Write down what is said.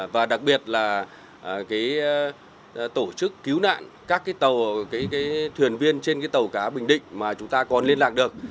và đặc biệt là tổ chức cứu nạn các thuyền viên trên tàu cá bình định mà chúng ta còn liên lạc được